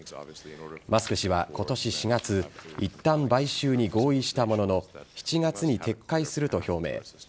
マスク氏は今年４月いったん買収に合意したものの７月に撤回すると表明。